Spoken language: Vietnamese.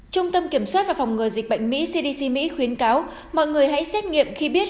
trung tâm kiểm soát và phòng ngừa dịch bệnh mỹ cdc mỹ khuyến cáo mọi người hãy xét nghiệm khi biết